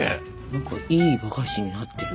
何かいいお菓子になってる。